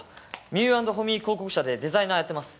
ミュー＆ホミー広告社でデザイナーやってます